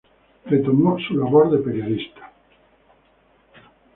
Retomó su labor de periodista.